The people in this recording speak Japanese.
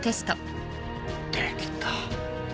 できた。